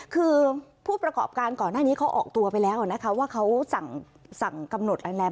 คือผู้ประกอบการก่อนหน้านี้เขาออกตัวไปแล้วนะคะว่าเขาสั่งกำหนดอะไรแล้ว